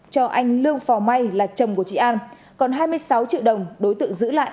cho anh lương phò may là chồng của chị an còn hai mươi sáu triệu đồng đối tượng giữ lại